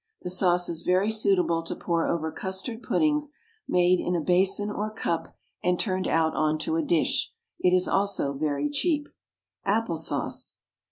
The sauce is very suitable to pour over custard puddings made in a basin or cup and turned out on to a dish. It is also very cheap. APPLE SAUCE.